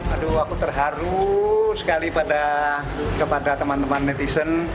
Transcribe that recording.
aduh aku terharu sekali kepada teman teman netizen